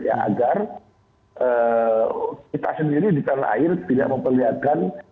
agar kita sendiri di tanah air tidak memperlihatkan